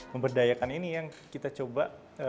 memberdayakan ini yang kita coba